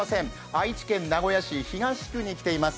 愛知県名古屋市東区に来ています。